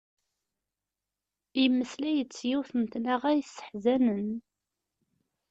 Yemmeslay-d s yiwet n tnaɣa yesseḥzanen.